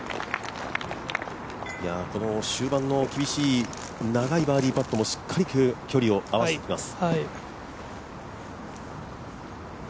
終盤の厳しい、長いバーディーパットもしっかり距離を合わせてきます。